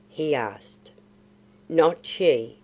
he asked. "Not she!"